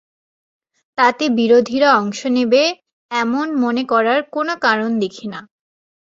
তাতে বিরোধীরা অংশ নেবে, এমন মনে করার কোনো কারণ দেখি না।